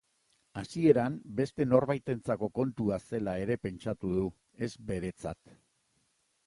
Hasieran, beste norbaitentzako kontua zela ere pentsatu du, ez beretzat.